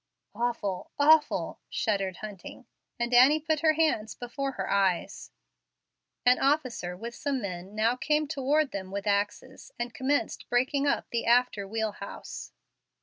"Awful! awful" shuddered Hunting, and Annie put her hands before her eyes. An officer, with some men, now came toward them with axes, and commenced breaking up the after wheelhouse.